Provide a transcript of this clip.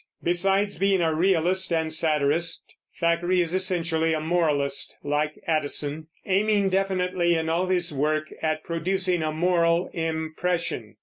Besides being a realist and satirist, Thackeray is essentially a moralist, like Addison, aiming definitely in all his work at producing a moral impression.